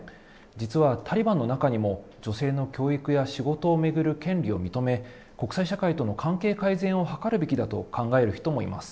実はタリバンの中にも女性の教育や仕事を巡る権利を認め、国際社会との関係改善を図るべきだと考える人もいます。